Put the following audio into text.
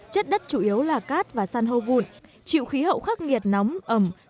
chất đất chủ yếu là cát và san hô vụn chịu khí hậu khắc nghiệt nóng ẩm